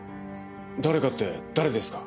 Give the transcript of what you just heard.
誰かって誰ですか？